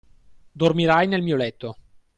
Dormirai nel mio letto.